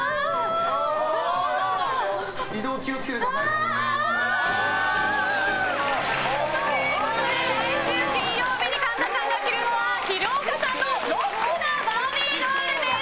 移動、気を付けてください。ということで、来週金曜日に神田さんが着るのは廣岡さんのロックなバービードールです。